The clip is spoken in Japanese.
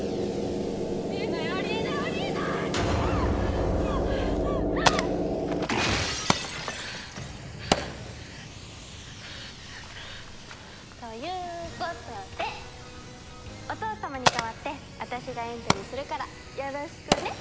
あり得ないあり得ないあり得ない！ということでお父様に代わって私がエントリーするからよろしくね！